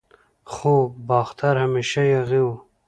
خو باختر همیشه یاغي و